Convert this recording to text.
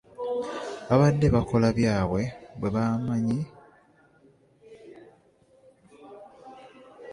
Babadde bakola byabwe be bamanyi gye baabiggya.